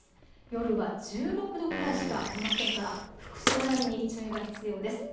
夜は１６度くらいしかありませんから服装選びに注意が必要です。